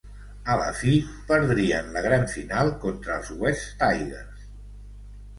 A la fi, perdrien la gran final contra els Wests Tigers.